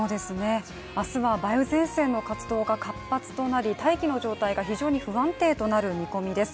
明日は梅雨前線の活動が活発となり大気の状態が非常に不安定となる見込みです。